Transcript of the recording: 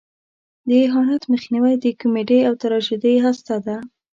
د اهانت مخنیوی د کمیډۍ او تراژیدۍ هسته ده.